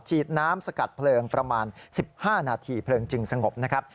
ฉีดน้ำสกัดเพลิงประมาณ๑๕นาทีเพลิงจึงสงบนะครับ